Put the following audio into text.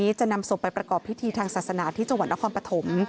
วันนี้จะนำศพไปประกอบพิธีทางศาสนาที่จังหวัดนครปฐม